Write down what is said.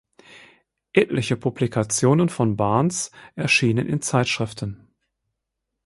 Etliche Publikationen von Barnes erschienen in Zeitschriften.